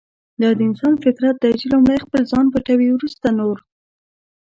دا د انسان فطرت دی چې لومړی خپل ځان پټوي ورسته نور.